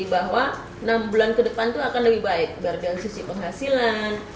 bahwa enam bulan ke depan itu akan lebih baik dari sisi penghasilan